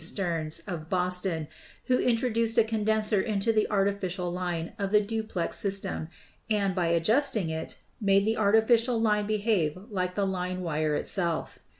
Stearns,, of Boston, who introduced a condenser into the artificial line of the duplex system and, by adjusting it, made the artificial line behave like the line wire itself.